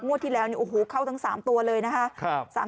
ที่แล้วเข้าทั้ง๓ตัวเลยนะคะ